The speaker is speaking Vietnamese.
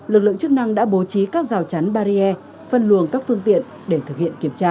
lực lượng chức năng đã bố trí các rào chắn barrier phân luồng các phương tiện để thực hiện kiểm tra